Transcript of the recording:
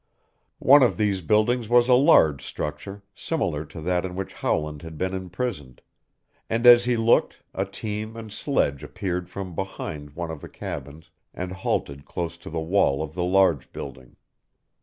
One of these buildings was a large structure similar to that in which Howland had been imprisoned, and as he looked a team and sledge appeared from behind one of the cabins and halted close to the wall of the large building.